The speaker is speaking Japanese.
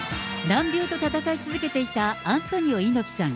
難病と闘い続けていたアントニオ猪木さん。